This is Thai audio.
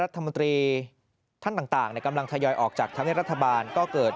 รัฐมนตรีท่านต่างกำลังทยอยออกจากธรรมเนียบรัฐบาลก็เกิด